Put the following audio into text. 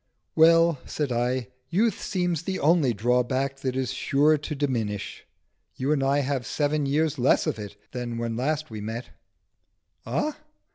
"Well," said I, "youth seems the only drawback that is sure to diminish. You and I have seven years less of it than when we last met." "Ah?"